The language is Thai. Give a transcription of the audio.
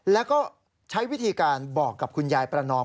แล้วก็ใช้วิธีการบอกกับคุณยายประนอม